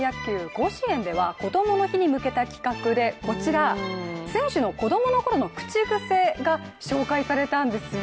甲子園では、こどもの日に向けた企画でこちら、選手の子供のころの口癖が紹介されたんですよ。